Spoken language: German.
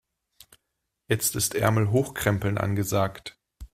Jetzt ist Ärmel hochkrempeln angesagt.